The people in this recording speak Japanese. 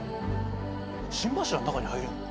心柱の中に入れるの？